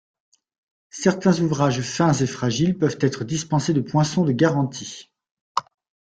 Certains ouvrages fins et fragiles peuvent être dispensés de poinçon de garantie.